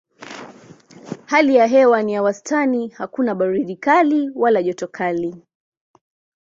Hali ya hewa ni ya wastani hakuna baridi kali wala joto kali.